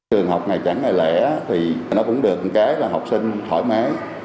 trường học ngày chẳng lẽ thì nó cũng được một cái là học sinh thoải mái